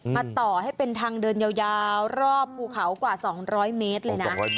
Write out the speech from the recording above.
ต่อให้เป็นทางเดินยาวรอบภูเขากว่า๒๐๐เมตรเลยนะ